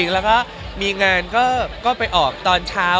แล้วก็มีงานก็ไปออกตอนเช้า